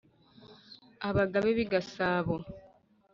abagabe b'i gasabo,